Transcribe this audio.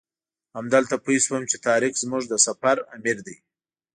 همدلته پوی شوم چې طارق زموږ د سفر امیر دی.